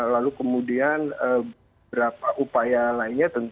lalu kemudian beberapa upaya lainnya